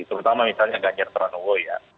terutama misalnya ganjar pranowo ya